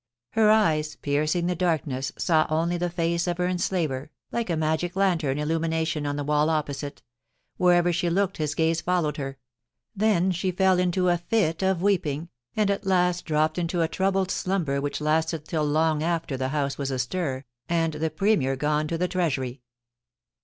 Her eyes piercing the darkness saw only the face of her enslaver, like a magic lantern illumination on the wall opposite — wherever she looked his gaze followed her. Then she fell into a fit of weeping, and at last dropped into a troubled slumber which lasted till long after the house was astir, and the Premier gone to the Treasury.